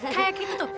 kayak gitu tuh